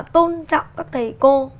tôn trọng các thầy cô